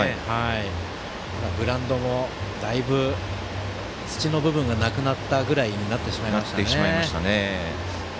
グラウンドもだいぶ土の部分がなくなったぐらいになってしまいましたね。